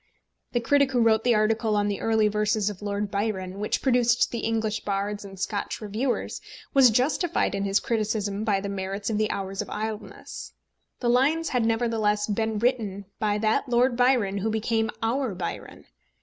The critic who wrote the article on the early verses of Lord Byron, which produced the English Bards and Scotch Reviewers, was justified in his criticism by the merits of the Hours of Idleness. The lines had nevertheless been written by that Lord Byron who became our Byron.